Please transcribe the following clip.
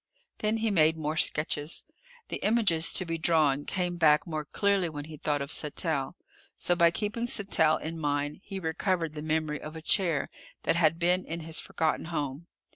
Then he made more sketches. The images to be drawn came back more clearly when he thought of Sattell, so by keeping Sattell in mind he recovered the memory of a chair that had been in his forgotten home.